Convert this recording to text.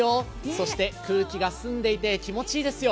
そして、空気が澄んでいて気持ちいいですよ。